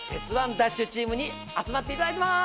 ＤＡＳＨ‼チーム」に集まっていただいてます。